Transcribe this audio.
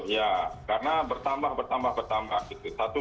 ya karena bertambah bertambah bertambah